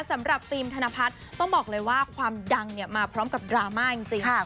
สำหรับฟิล์มธนพัฒน์ต้องบอกเลยว่าความดังเนี่ยมาพร้อมกับดราม่าจริง